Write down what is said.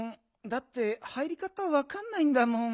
だって入りかたわかんないんだもん。